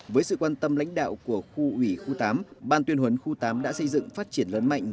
với sự quan tâm lãnh đạo của khu ủy khu tám ban tuyên huấn khu tám đã xây dựng phát triển lớn mạnh